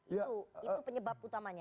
itu penyebab utamanya